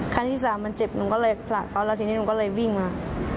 ครั้งที่สามมันเจ็บหนูก็เลยผลักเขาแล้วทีนี้หนูก็เลยวิ่งมา